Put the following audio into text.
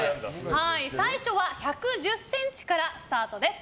最初は１１０ｃｍからスタートです。